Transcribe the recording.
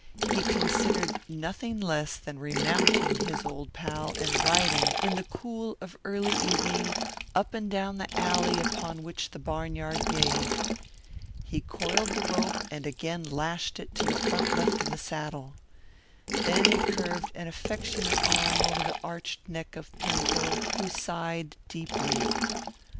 He considered nothing less than remounting his old pal and riding, in the cool of early evening, up and down the alley upon which the barnyard gave. He coiled the rope and again lashed it to the left front of the saddle. Then he curved an affectionate arm over the arched neck of Pinto, who sighed deeply.